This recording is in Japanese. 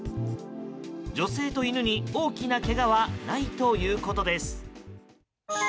女性と犬に、大きなけがはないということです。